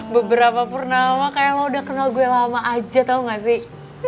beberapa purnama kayak lo udah kenal gue lama aja tau gak sih